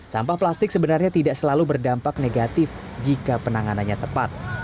sampah plastik sebenarnya tidak selalu berdampak negatif jika penanganannya tepat